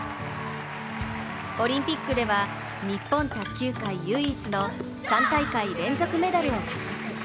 オリンピックでは日本卓球界唯一の３大会連続メダルを獲得。